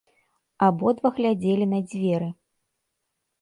Абодва глядзелі на дзверы.